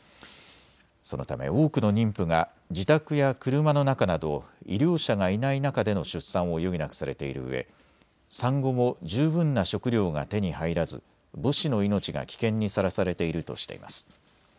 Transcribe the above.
そのため多くの妊婦が自宅や車の中など医療者がいない中での出産を余儀なくされているうえ産後も十分な食料が手に入らず母子の命が危険にさらされているとしています。